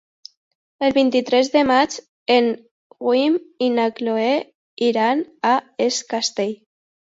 El vint-i-tres de maig en Guim i na Cloè iran a Es Castell.